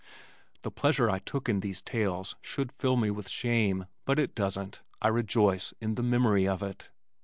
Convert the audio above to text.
The pleasure I took in these tales should fill me with shame, but it doesn't I rejoice in the memory of it.